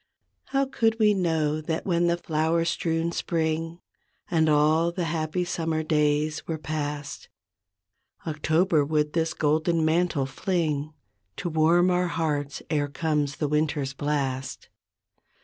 How could we know that when the flower strewn spring And all the happy summer days were past, October would this golden mantle fling To warm our hearts e'er comes the winter's blast.